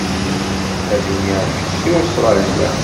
Ad iniɣ kečč seg Ustṛalya.